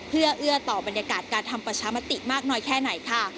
เพื่อเอื้อต่อบรรยากาศการทำประชามติมากน้อยแค่ไหนค่ะ